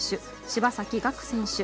柴崎岳選手